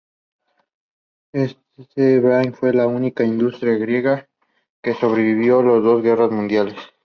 Ese brandy fue la única industria griega que sobrevivió las dos guerras mundiales.